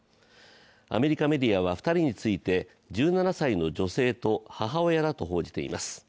アメリカメディアは２人について１７歳の女性と母親だと報じています。